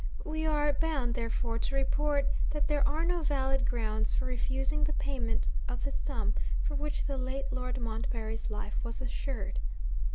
We are bound, therefore, to report, that there are no valid grounds for refusing the payment of the sum for which the late Lord Montbarry's life was assured.